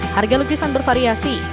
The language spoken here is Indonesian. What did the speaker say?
harga lukisan bervariasi